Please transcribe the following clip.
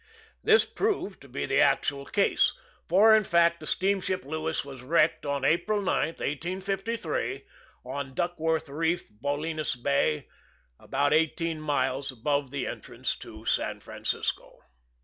This proved to be the actual case, for, in fact, the steamship Lewis was wrecked April 9, 1853, on "Duckworth Reef," Baulinas Bay, about eighteen miles above the entrance to San Francisco.